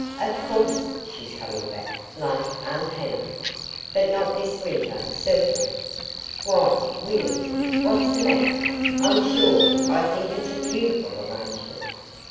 "Of course she's coming back," laughed Aunt Hannah, "but not this winter, certainly. Why, William, what's the matter? I'm sure, I think it's a beautiful arrangement.